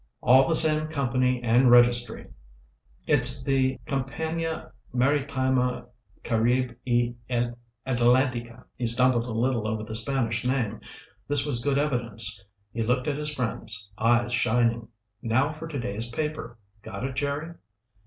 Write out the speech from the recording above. "All the same company and registry. It's the Compania Maritima Caribe y Atlantica." He stumbled a little over the Spanish name. This was good evidence. He looked at his friends, eyes shining. "Now for today's paper. Got it Jerry?"